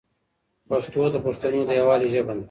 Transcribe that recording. پښتو د پښتنو د یووالي ژبه ده.